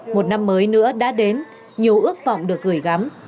một năm mới nữa đã đến nhiều ước vọng được gửi gắm